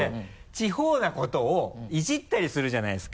地方なことをイジったりするじゃないですか。